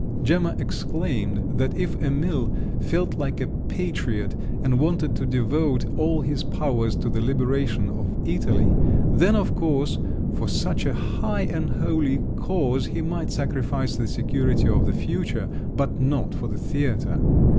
…" Gemma exclaimed that if Emil felt like a patriot, and wanted to devote all his powers to the liberation of Italy, then, of course, for such a high and holy cause he might sacrifice the security of the future—but not for the theatre!